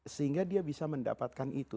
sehingga dia bisa mendapatkan itu